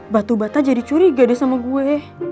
batu bata jadi curiga deh sama gue